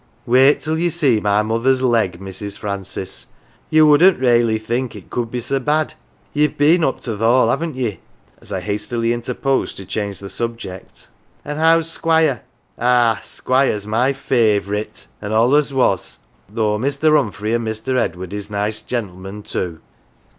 Wait till ye see .my mother's leg, Mrs. Francis, you wouldn't raly think it could be so bad. YeVe been up to th' Hall, 'ave ye?" as I hastily interposed to change she subject " an' how's Squire ? Ah ! Squire's my favourite, an' allus was, though Mr. Humphrey an' Mr. Edward is nice gen'lmen, too.